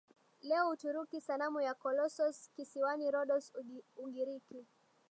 leo Uturuki Sanamu ya Kolossos kisiwani Rhodos Ugiriki